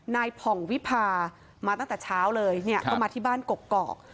ผ่องวิพามาตั้งแต่เช้าเลยเนี่ยก็มาที่บ้านกกอก